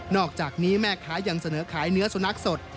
อกจากนี้แม่ค้ายังเสนอขายเนื้อสุนัขสด